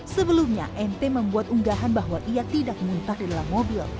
sebelumnya nt membuat unggahan bahwa ia tidak muntah di dalam mobil